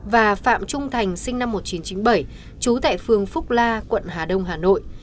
và phạm trung thành sinh năm một nghìn chín trăm chín mươi bảy trú tại phường phúc la quận hà đông hà nội